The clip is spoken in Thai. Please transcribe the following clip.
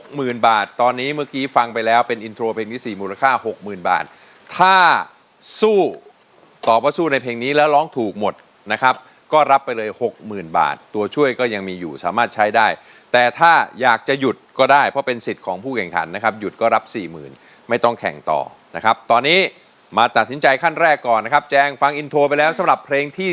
หมื่นบาทตอนนี้เมื่อกี้ฟังไปแล้วเป็นอินโทรเพลงที่สี่มูลค่าหกหมื่นบาทถ้าสู้ตอบว่าสู้ในเพลงนี้แล้วร้องถูกหมดนะครับก็รับไปเลยหกหมื่นบาทตัวช่วยก็ยังมีอยู่สามารถใช้ได้แต่ถ้าอยากจะหยุดก็ได้เพราะเป็นสิทธิ์ของผู้แข่งขันนะครับหยุดก็รับสี่หมื่นไม่ต้องแข่งต่อนะครับตอนนี้มาตัดสินใจขั้นแรกก่อนนะครับแจงฟังอินโทรไปแล้วสำหรับเพลงที่